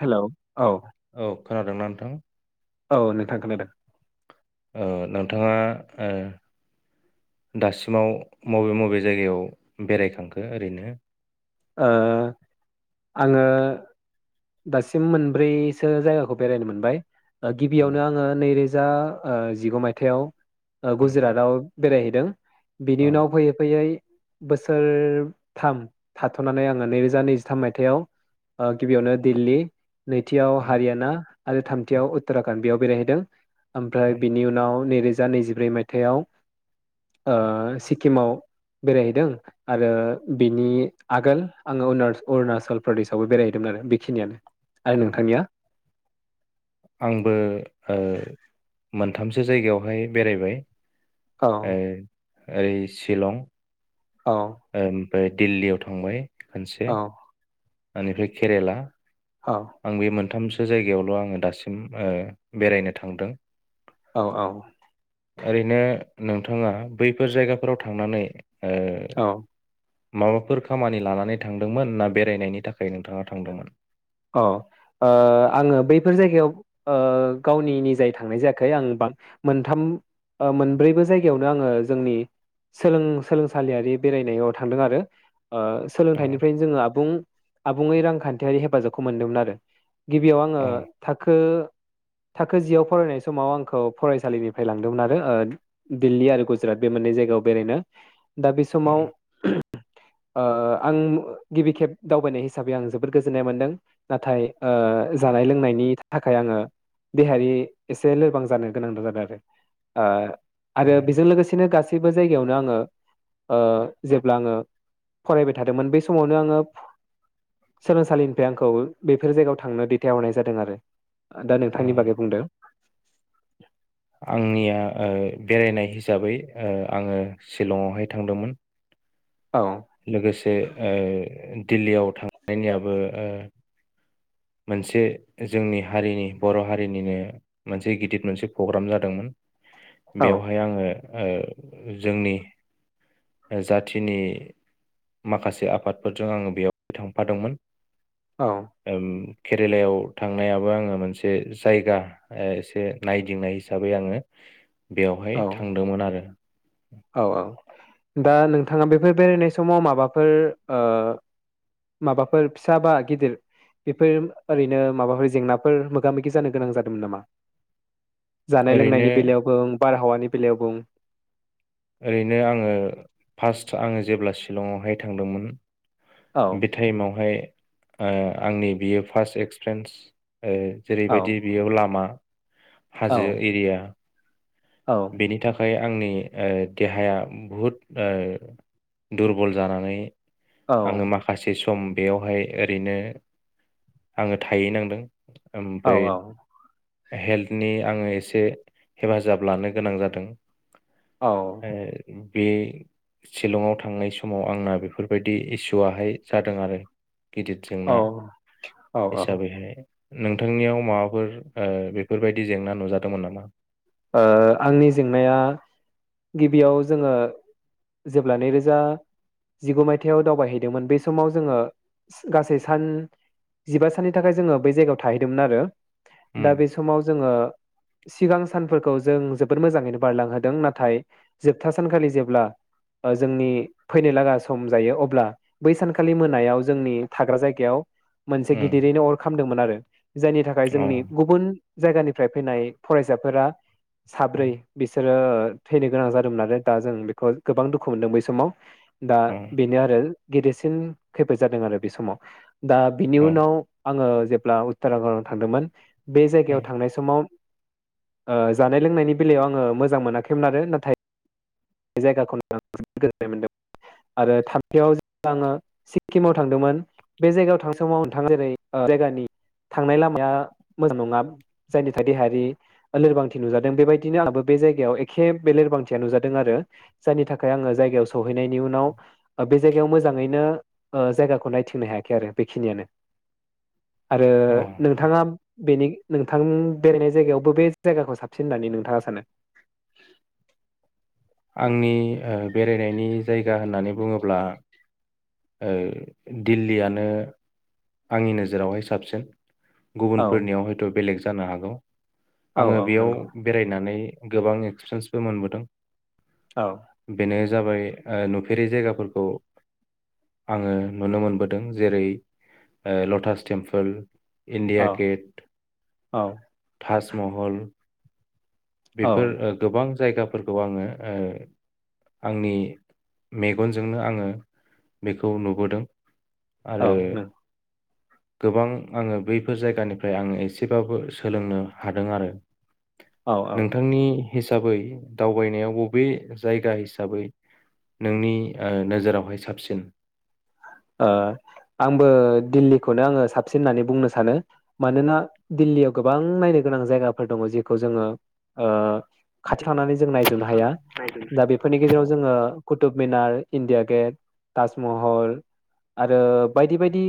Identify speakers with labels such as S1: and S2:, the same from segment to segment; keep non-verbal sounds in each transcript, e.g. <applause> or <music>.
S1: Hello औ
S2: औ खोनादोंना नोंथां?
S1: औ नोंथां खोनादों
S2: ओ नोंथाङा ओ‌ दासिमाव मबे मबे जायगायाव बेरायखांखो ओरैनो?
S1: ओ‌ आङो दासिम मोनब्रैसो जायगाखौ बेरायनो मोनबाय
S2: औ
S1: गिबियावनो आङो नैरोज जा ओ जिगु मायथाइआव
S2: उम
S1: गुजरातआव बेरायहैदों बिनि
S2: औ
S1: उनाव फैयै फैयै बोसोरथाम थाथ'नानै आङो नैरोजा नैजिथाम मायथाइयाव ओ गिबियावनो दिल्ली नैथियाव
S2: उम
S1: हारियाना आरो थामथियाव उत्तराखान्ड बेयाव बेरायहैदों ओमफ्राय
S2: उम
S1: बिनि उनाव नैरोज जा नैजिब्रै मायथाइयाव ओ सिक्किमाव बेरायहैदों आरो बिनि आगोल आङो अरुण-अरुणाचल प्रदेशावबो बेरायहैदोंमोन आरो बिखिनियानो आरो
S2: औ
S1: नोंथांनिया
S2: थामसो जायगायावहाय बेरायबाय
S1: औ
S2: ए ओरै शिलं
S1: औ
S2: ओमफ्राय दिल्लीयाव थांबाय खोनसे
S1: औ
S2: ओनिफ्राय केरेला आं बे मोनथामसो जायगायावल' आङो दासिम ओ बेरायनो थांदों
S1: औ औ
S2: ओैरैनो नोंथाङा बैफोर जायगाफोराव थांनानै ओ
S1: औ
S2: माबाफोर खामानि लानानै थांदोंमोन ना बेरायनायनि थाखाय नोंथाङा थांदोंमोन
S1: औ आङो बैफोर जायगायाव गावनि निजाय थांनाय जायाखै आं मोनथाम मोनब्रैबो जायगायावनो आङो जोंनि सोलों सोलोंसालियारि बेरायनायाव थांदों आरो
S2: औ
S1: सोलोंथाइनिफ्रायनो जोङो आबुं आबुङै रांखान्थियारि हेफाजाबखौ खौ मोनदोंमोन आरो गिबियाव आङो
S2: औ
S1: थाखो थाखो जियाव फरायनाय समाव आंखौ फरायसालिनिफ्राय लांदोंमोन आरो दिल्ली आरो गुजरात बे मोननै जायगायाव बेरायनो दा बे
S2: औ
S1: समाव आं गिबि खेब दावबायनाय हिसाबै आं जोबोद गोजोननाय मोनदों नाथाय जानाय लोंनायनि थाखाय आङो देहायारि एसे लोरबां जानो गोनां जादों आरो आरो बेजों लोगोसेनो गासै गाससिबो जायगायावनो आङो जेब्ला आङो फरायबाय थादोंमोन बे समावनो आङो सोलोंसालिनिफ्राय आं खौ बेफोर जायगायाव थांनो दैथायहरनाय जादों आरो दा
S2: औ
S1: नोंथांनि बागै बुंदों
S2: आंनिया ओ बेरायनाय हिसाबै आङो शिलंआवहाय थांदोंमोन
S1: औ
S2: लोगोसे दिल्लीयाव थांनायनियाबो मोनसे जोंनि हारिनि बर' हारिनिनो मोनसे गिदिर मोनसे प्रग्राम जादोंमोन
S1: औ
S2: बेवहाय आङो ओ जोंनि जाथिनि माखासे आफादफोरजों आङो बेयाव थांफादोंमोन औ केरेलायाव थांनायाबो आङो मोनसे जायगा ओ एसे नायदिंनाय हिसाबै आङो बेवहाय
S1: औ
S2: थांदोंमोन आरो
S1: औ औ दा नोंथाङा बेफोर बेरायनाय समाव माबाफोर ओ माबाफोर फिसा बा गिदिर बेफोर ओरैनो माबाफोर जेंनाफोर मोगा मोगि जानो गोनां जादोंमोन नामा जानाय
S2: ओरैनो
S1: लोंनायनि बेलायावबो बार हावानि बिलायाव बुं
S2: ओरैनो आङो फार्स्ट आदसा आङो जेब्ला शिलंआवहाय थांदोंमोन
S1: औ
S2: बे टाइमावहाय ओ आंनि बियो फार्स्ट एक्सपिरियेन्स ओ
S1: औ
S2: जेरैबायदि बेयाव लामा
S1: औ
S2: हाजो एरिया
S1: औ
S2: बेनि थाखाय आंनि ओ देहाया बुहुद ओ दुरबल जानानै आङो माखासे सम बेयावहाय ओरैनो आङो थाहै नांदों
S1: औ
S2: ओमफ्राय हेल्थनि आङो एसे हेफाजाब लानो गोनां जादों ए बे शिलंआव थांनाय समाव आंना बेफोरबायदि इसुआहाय जादों आरो गिदिर
S1: औ
S2: जेंना
S1: औ औ
S2: हिसाबैहाय नोंथांनियाव माबाफोर ओ बेफोरबायदि जेंना नुजादोंमोन नामा
S1: ओ आंनि जेंनाया गिबियाव जोङो जेब्ला नैरोजा जिगु मायथाइयाव दावबायहैदोंमोन बै समाव जोङो गासै सान जिबा साननि थाखाय जोङो बै जायगायाव थाहैदोंमोन आरो दा
S2: उम
S1: बे समाव जोङो सिगां सानफोरखौ जों जोबोोर मोजाङै बारलांहोदों नाथाय जोबथा सानखालि जेब्ला जोंनि फैनाय लागा सम जायो अब्ला बै सानखालि मोनायाव जोंनि थाग्रा जायगायाव मोनसे
S2: उम
S1: गिदिरैनो अर खामदोंमोन आरो जायनि थाखाय
S2: अ
S1: जोंनि गुबुन जायगानिफ्राय फैनाय फरायसा फोर
S2: उम
S1: साब्रै बिसे बिसोरो थैनो गोनां जादोंमोन नाल दा जों बेखौ गोबां दुखु मोनदों बै समाव दा
S2: अ
S1: बेनो आरो गेदेरसिन खैफोद जादों आरो बे समाव दा बिनि
S2: अ
S1: उनाव
S2: उम
S1: आङो जेब्ला उत्तराखडआव थांदोंमोन बे जायगायाव थांनाय समाव जानाय लोंनायनि बेलायाव आङो मोजां मोनाखैमोन आरो नाथाय जायगाखौनो आ जोबो गोजोननाय मोनदों आरो थामथियावे आङो सिक्किमाव थांदोंमोन बे जायगायाव थां समाव नोंथाङा जेरै जायगानि थांनाय लामाया मोजां नङा जायनि थाखाय देहायारि लोरबांथि नुजादों बेबायदिनो आंो बे जायगायाव एखे बे लोरबांथिया नुजादों आरो जायनि थाखाय आङो जायगायाव सहैनायनि उनाव बे जायगायाव मोजाङैनो जायगाखौ नायथिंनो हायाखै आरो बेखिनियानो आरो
S2: अ अ
S1: नोंथाङा बेनि नोंथां बेरायनाय जायगायाव बबे जायगाखौ साबसिन होननानै नोंथाङा सानो
S2: आंनि बेरायनायनि जायगा होननानै बुङोब्ला दिल्लीयानो आंनि नोजोरावहाय साबसिन
S1: औ
S2: गुबुनफोरनियाव हयथ' बेलेग ज जानो हागौ
S1: औ
S2: आङो
S1: औ
S2: बेयाव
S1: नंगौ
S2: बेरायनानै गोबां एक्सपिरियेन्सबो मोनबोदों
S1: औ
S2: बे जाबाय नुफेरै जायगाफोरखौ आङो नुनो मोनबोदों जेरै लटास टेम्पोल इण्डिया
S1: औ
S2: गेट
S1: औ
S2: ताजमहल
S1: औ
S2: बेफोर गोबां जायगाफोरखौ आङो आंनि मेगनजोंनो आङो बेखौ नुबोदों
S1: औ
S2: आरो
S1: नों
S2: गोबां आङो बैफोर जायगानिफ्राय आङो एसेबाबो सोलोंनो हादों आरो
S1: औ औ
S2: नोंथांनि हिसाबै दावबायनायाव बबे जायगा हिसाबै नोंनि नोजोरावहाय साबसिन
S1: आंबो दिल्लीखौनो आङो साबसिन होननानै बुंनो सानो मानोना दिल्लीयाव गोबां नायनो गोनां जायगाफोर दङ जेखौ जोङो खाथि खानानै जों नाय ह दा बेफोरनि गेजेराव जोङो कटुब मनार इण्डिया गेट ताजमहल आरो बायदि बायदि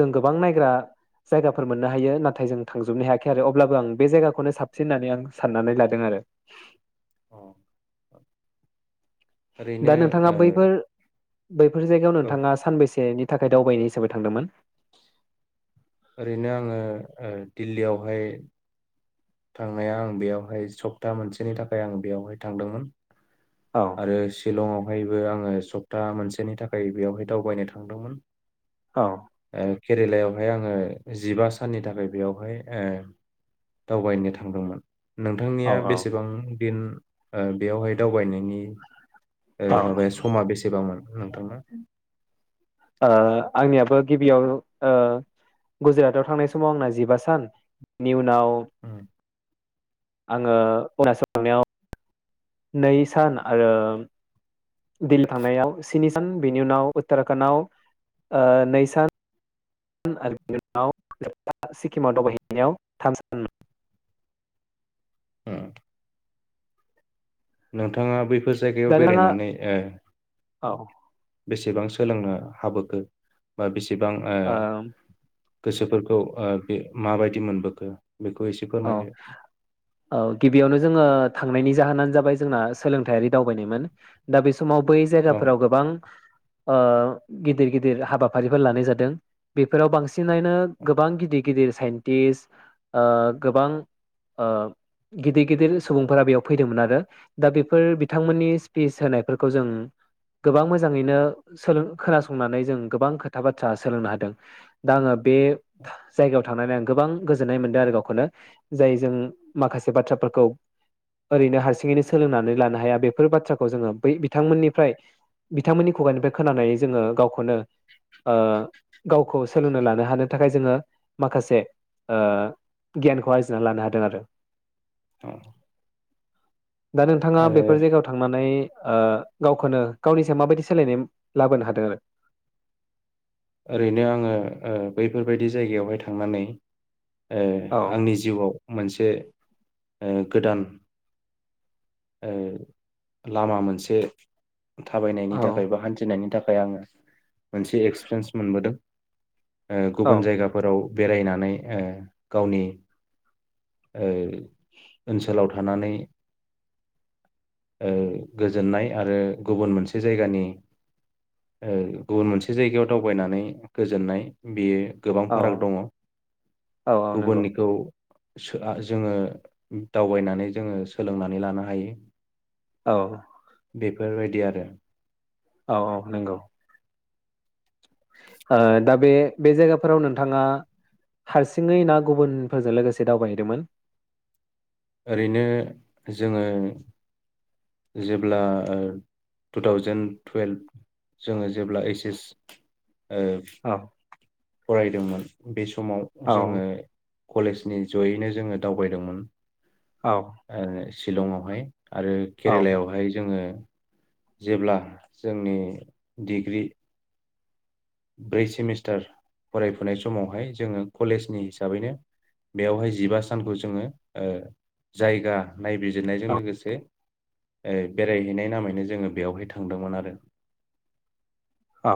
S1: जों गोबां नायग्रा जायगाफोर मोननो हायो नाथाय जों थांजोबनो हायाखै आरो अब्लाबो आं बे जायगाखौनो साबसिन होननानै आं साननानै लादों आरो
S2: औ ओरैनो
S1: दा नोंथाङा
S2: ओ
S1: बैफोर बैफोर जायगायाव
S2: औ
S1: नोंथाङा सानबेसेनि थाखाय दावबायनाय हिसाबै थांदोंमोन
S2: ओरैनो आङो दिल्लीयावहाय थांनाया आं बेयावहाय सप्ता मोनसेनि थाखाय आं बेयावहाय थांदोंमोन
S1: औ
S2: आरो शिलंआव बेवहायबो आङो सप्ता मोनसेनि थाखाय बेयावहाय दावबायनो थांदोंमोन
S1: औ
S2: ओ केरेलायावहाय आङो जिबा साननि थाखाय बेयावहाय दावबायनो थांदोंमोन
S1: औ
S2: नोंथांनिया
S1: औ
S2: बेसेबां दिन बेयावहाय दा थगायनायनि
S1: औ
S2: माबाया समा बेसेबांमोन नोंथांना
S1: आंनियाबो गिबियाव गुजराताव थांनाय समाव आंना जिबा साननि उन ना
S2: उम
S1: आङो उना सोांनायाव नै सान आरो दिल्ली थांनायाव स्नि सान बिनि उनाव उत्तराखणडआव नै सान आरो बेनि उनावोब सिक्किमाव दावबायहैनायाव थाम सान
S2: <unintelligible> नोंथाङा बे बे जायगायाव
S1: दा नोंथाङा
S2: बेरायनानै
S1: औ ओ
S2: बेसेबां सोलोंनो हाबोखो बा बेसेां बेसेबां गोसोफोरखौ बे माबायदि मोनबोखो बेखौ एसे
S1: औ
S2: फोरमायदो
S1: औ गिबियावनो जोङो थांनायनि जाहोनानो जाबाय जोंना सोलोंथारि दावबायनायमोन दा बे समाव बै
S2: औ
S1: जायगाफोराव गोबां गिदिर गिदिर हाबाफारिफोर लानाय जादों बेफोराव बांसिनानो गोबां गिदिर गिदिर साइन्टिस्ट गोबां गिदिर गिदिर सुबुंफोरा बेयाव फैदोंमोन आरो दा बेफोर बिथांमोननि स्पिस होनायफोरखौ जों गोबां मोजाङैनोोलों खोनासंनानै जों गोबां खोथा बाथ्रा सोलोंनो हादों दा आङो बे जायगायाव थांनानै आं गोबां गोजोननाय मोनदों आरो गावखौनो जाय जों माखासे बाथ्राफोरखौ ओरैनो हारसिङैनो सोलोंनानै लानो हाया बेफोर बाथ्राखौ जोङो बै बिथांमोननिफ्राय बिथांमोननि खुगानिफ्राय खोनानानै जोङो गावखौनो गावखौ सोलोंना लानो हानो थाखाय जोङो माखासे गियानखौ आरजिना लानो हादों आरो
S2: औ
S1: दा नोंथाङा
S2: आरो
S1: बेफोर जायगायाव थांनानै गावखौनो गावनि सायाव माबायदि सोलायनाय लाबोनो हादों आरो
S2: ओरैनो आङो बैफोरबायदि जायगायावहाय थांनानै
S1: औ
S2: आंनि जिउआव मोनसे गोदान लामा मोनसे थाबायनायनि
S1: औ
S2: थाखाय बा हान्थिनायनि थाखाय आङो मोनसे एक्सपिरियेन्स मोनबोदों
S1: औ
S2: गुबुन जायगाफोराव बेरायनानै गावनि ओनसोलाव थानानै गोजोननाय आरो गुबुन मोनसे जायगानि गुबुन मोनसे जायगायाव दावबायनानै गोजोननाय बेयो गोबां
S1: औ
S2: फाराग दङ
S1: औ औ नंगौ
S2: गुबुननिखौ जोङो दावबायनानै जोङो सोलोंनानै लानो हायो
S1: औ
S2: बेफोरबायदि आरो
S1: औ औ नंगौ दा बे बे जायगाफोराव नोंथाङा हारसिङै ना गुबुनफोरजों लोगोसे दावबायहैदोंमोन
S2: ओरैनो जोङो जेब्ला टु थावजेेन टुवेल्भ जोङो जेब्ला ओइस एस ओ
S1: <inaudible>
S2: फरायदोंमोन बे समाव
S1: औ
S2: जोङो कलेजनि जयैनो जोङो दावबायदोंमोन
S1: औ
S2: आ शिलंआवहाय आरो केरेलायावहाय जोङो जेब्ला जोंनि डिग्रि ब्रै सेमिस्टार फरायफुनाय समावहाय जोङो कलेजनि हिसाबैनो बेयावहाय जिबा सानखौ जोङो जायगा नायबिजिरनायजों
S1: औ
S2: लोगोसे बेरायहैनाय नामैनो जोङो बेयावहाय थांदोंमोन आरो
S1: औ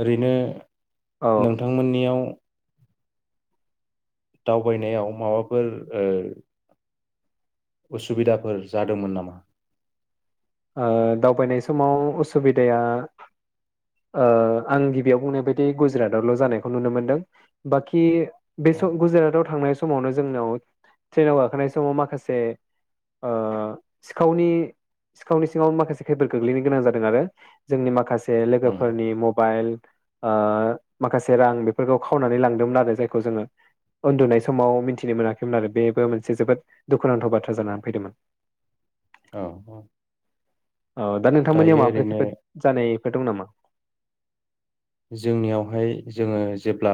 S2: ओरैनो
S1: औ ओ
S2: नोंथांमोननियाव दावबायनायाव माबाफोर असुबिदाफोर जादोंमोन नामा?
S1: दावबायनाय समाव असुबिदाया ओ आं गिबियाव बुंनाय बायदि गुजरातआवल' जानायखौ नुनो मोनदों बाखि बे
S2: औ
S1: सम गुजरातआव थांनाय सम समावनो जोंनाव ट्रेनाव गाखोनाय समाव माखासे सिखावनि सिखावनि सिङावनो माखासे खैफद गोग्लैनो गोनां जादों आरो जोंनि माखासे
S2: उम
S1: लोगोफोरनि म मबाइल माखासे रां बेफोरखौ खावनानै लांदोंमोन आरो जायखौ जोङो उन्दुनाय समाव मिथिनो मोनाखैमोन आरो बेबो मोनसे जोबोद दुखुनांथाव बाथ्रा जानानै फैदोंमोन।
S2: औ औ।
S1: औ दा नोंथांमोननियाव
S2: दायो
S1: माबाफोर
S2: ओरैनो
S1: खैफोद जानायफोर दं नामा?
S2: जोंनियावहाय जोङो जेब्ला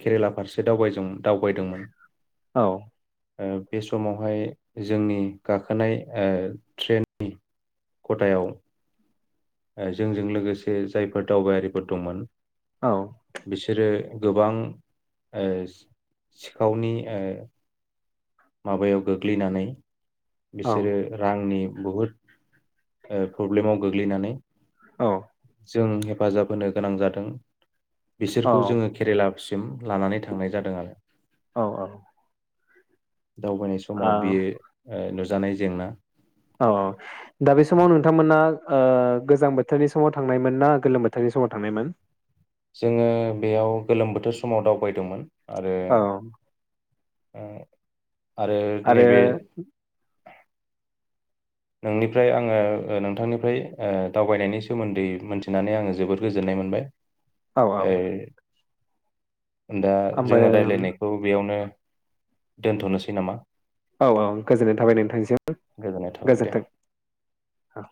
S2: केरेला फारसे दावबायज दावबायदोंमोन
S1: औ
S2: बे समावहाय जोंनि गाखोनाय ट्रेननि खथायाव जोंजों लोगोसे जायफोर दावबायारिफोर दंमोन।
S1: औ
S2: बिसोरो गोबां सिखावनि माबायाव गोग्लैनानै
S1: औ
S2: बिसोरो रांनि बहुद प्रब्लेमाव गोग्लैनानै
S1: औ।
S2: जों हेफाजाब होनो गोनां जादों।
S1: औ
S2: बिसोरखौ जोङो केरेला सिम लानानै थांनाय जादों आरो।
S1: औ औ
S2: दावबायनाय
S1: ओ
S2: समाव बियो नुजानाय जेंना
S1: औ औ दा बे समाव नोंथांमोना। गोजां बोथोरनि समाव थांनायमोन ना गोलोम बोथोरनि समाव थांनायमोन
S2: जोङो बेयाव गोलोम बोथोर समाव दावबायदोंमोन। आरो
S1: औ
S2: औ। आरो नैबे नोंनिफ्राय आङो नोंथांनिफ्राय दावबायनायनि सोमोन्दै मोनथिनानै आङो जोबोद गोजोननाय मोनबाय।
S1: औ औ
S2: ए। दा
S1: ओमफ्राय
S2: जोङो राय्लायनायखौ बेयावनो दोनथ'नोसै नामा
S1: औ औ गोजोननाय थाबाय नोंथांसिम
S2: गोजोननाय थाबाय दे
S1: गोजोन्थों औ